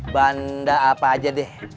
banda apa aja deh